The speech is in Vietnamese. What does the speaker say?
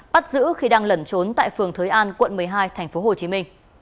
bắt giữ khi đang lẩn trốn tại phường thới an quận một mươi hai tp hcm